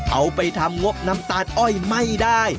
เอาไปทำงบน้ำตาลอ้อยไม่ได้